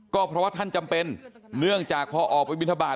ก็เพราะว่าท่านจำเป็นเนื่องจากพอออกไปบินทบาท